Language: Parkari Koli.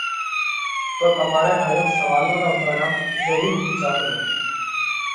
تو تمارئہ ھائيون سوئالون را ڀارام ضرور وِيچاروو۔